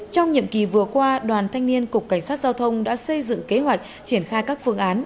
trong nhiệm kỳ vừa qua đoàn thanh niên cục cảnh sát giao thông đã xây dựng kế hoạch triển khai các phương án